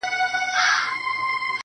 زړه یوسې او پټ یې په دسمال کي کړې بدل.